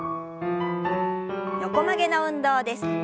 横曲げの運動です。